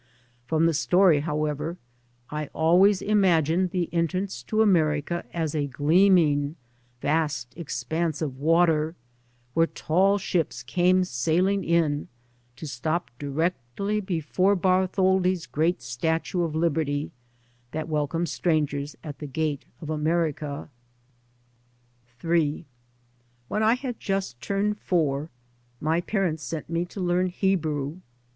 From the story, however, I always imagined the entrance to America as a gleaming, vast ex panse of water where tall ships came sailing in, to stop directly before Bartholdi's great statue of Liberty, that welcomes strangers at the gate of America. [i8] 3 by Google Ill WHEN I had just turned four my par ents sent me to learn Hebrew.